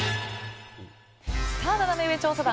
ナナメ上調査団